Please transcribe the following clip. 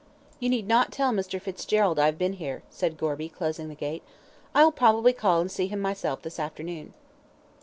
"You need not tell Mr. Fitzgerald I have been here," said Gorby, closing the gate; "I'll probably call and see him myself this afternoon."